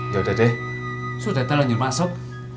yaudah deh sudah telanjur masuk